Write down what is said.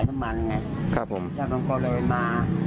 แล้วมันทำแต่พาแมนบากว่า